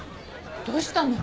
どうしたの？